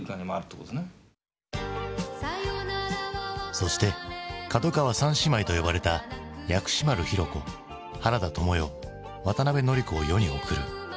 そして角川三姉妹と呼ばれた薬師丸ひろ子原田知世渡辺典子を世に送る。